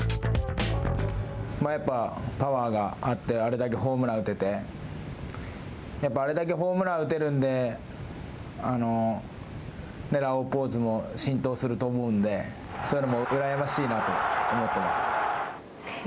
やっぱパワーがあって、あれだけホームランを打てて、やっぱあれだけホームランを打てるので、ラオウポーズも浸透すると思うんでそういうのもうらやましいなと思ってます。